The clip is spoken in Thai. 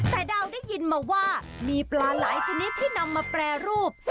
แต่ดาวได้ยินมาว่ามีปลาหลายชนิดที่นำมาแปรรูป